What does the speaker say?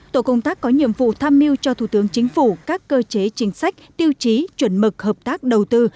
tổ công tác có nhiệm vụ tham mưu cho thủ tướng chính phủ các cơ chế chính sách tiêu chí chuẩn mực hợp tác đầu tư